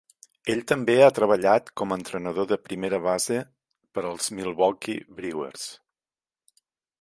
Ell també ha treballat com a entrenador de primera base per als Milwaukee Brewers.